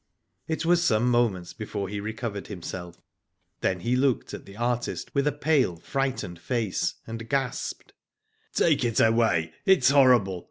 It was some moments before he recovered him himself. Then he looked at the artist with a pale, frightened face, and gasped : Take it away. It is horrible.